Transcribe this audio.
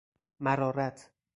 مرارت